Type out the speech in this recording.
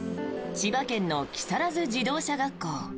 千葉県の木更津自動車学校。